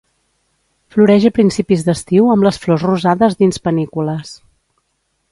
Floreix a principis d'estiu amb les flors rosades dins panícules.